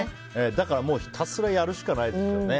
だから、もうひたすらやるしかないですよね。